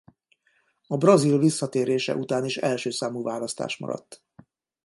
A brazil visszatérése után is első számú választás maradt.